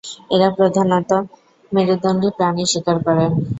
এরা প্রধানত মেরুদণ্ডী প্রাণী শিকার করে।